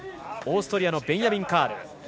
オーストリアのベンヤミン・カール。